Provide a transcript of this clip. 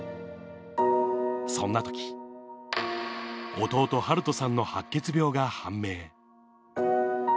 そんなとき、弟、晴斗さんの白血病が判明。